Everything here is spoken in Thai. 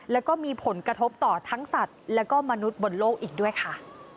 แล้วก็มีผลกระทบต่อทั้งสัตว์และก็มนุษย์บนโลกอีกด้วยค่ะ